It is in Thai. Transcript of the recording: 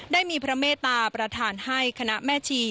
ได้มีพระเมตตาประธานให้คณะแม่ชี